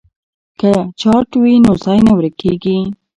که چارت وي نو ځای نه ورکیږي.